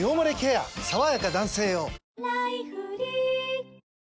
さわやか男性用」